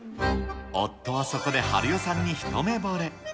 夫はそこで晴代さんに一目ぼれ。